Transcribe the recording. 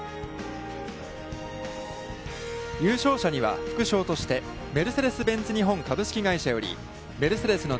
優勝者には副賞として、メルセデス・ベンツ日本株式会社より、メルセデスの